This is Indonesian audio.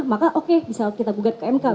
maka oke bisa kita gugat ke mk